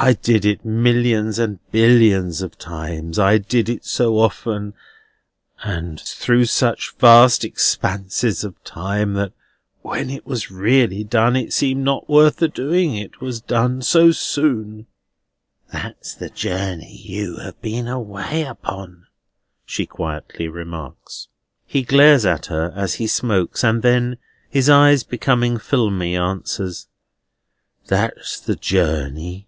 I did it millions and billions of times. I did it so often, and through such vast expanses of time, that when it was really done, it seemed not worth the doing, it was done so soon." "That's the journey you have been away upon," she quietly remarks. He glares at her as he smokes; and then, his eyes becoming filmy, answers: "That's the journey."